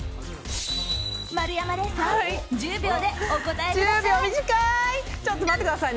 丸山礼さん１０秒でお答えください。